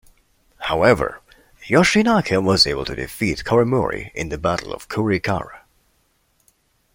However, Yoshinaka was able to defeat Koremori in the Battle of Kurikara.